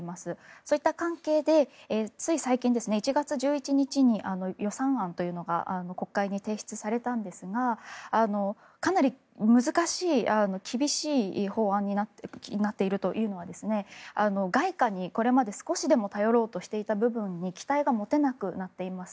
そういった関係でつい最近、１月１１日に予算案というのが国会に提出されたんですがかなり難しい、厳しい法案になっているというのは外貨にこれまで少しでも頼ろうとしていた部分に期待が持てなくなっています。